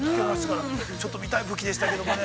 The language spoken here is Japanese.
ちょっと見たいでしたけどね。